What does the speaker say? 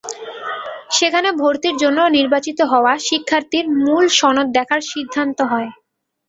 সেখানে ভর্তির জন্য নির্বাচিত হওয়া শিক্ষার্থীর মূল সনদ দেখার সিদ্ধান্ত হয়।